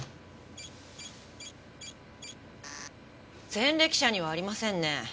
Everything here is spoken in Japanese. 前歴者にはありませんね。